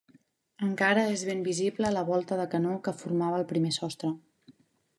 Encara és ben visible la volta de canó que formava el primer sostre.